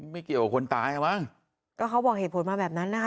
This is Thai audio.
ไม่เกี่ยวกับคนตายอ่ะมั้งก็เขาบอกเหตุผลมาแบบนั้นนะคะ